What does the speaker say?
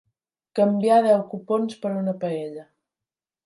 Canviar deu cupons per una paella.